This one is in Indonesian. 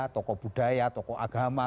tokoh budaya tokoh agama